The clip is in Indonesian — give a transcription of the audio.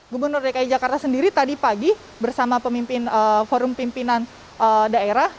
gubernur dki jakarta sendiri tadi pagi bersama forum pimpinan daerah